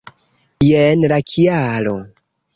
Jen la kialo.